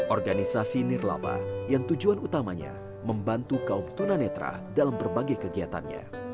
organisasi nirlaba yang tujuan utamanya membantu kaum tunanetra dalam berbagai kegiatannya